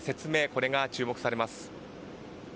これが注目されます。